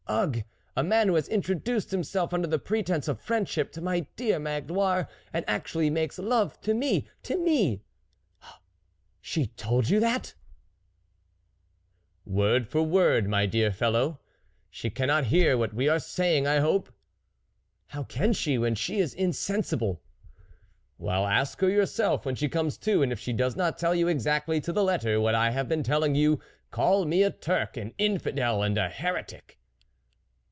Ugh ! A man who has introduced himself under the pretence of friendship to my dear Mag loire, and actually makes love to me, to me .." 41 She told you that ?" 14 Word for word, my dear fellow I She cannot hear what we are saying, I hope ?" 44 How can she, when she is insen sible ?" 44 Well, ask her yourself when she comes to, and if she does not tell you exactly to the letter what I have been telling you, call me a Turk, an infidel and a heretic."